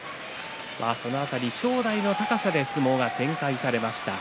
その辺り正代の高さで相撲が展開されました。